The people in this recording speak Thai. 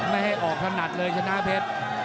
ไม่ให้ออกถนัดเลยชนะเพชร